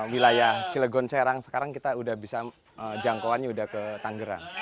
wilayah cilegon serang sekarang kita udah bisa jangkauannya sudah ke tanggerang